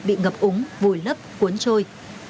bị ngập úng vùi lấp cuốn trôi